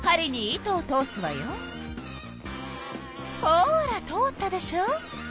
ほら通ったでしょ！